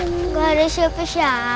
enggak ada siapa siapa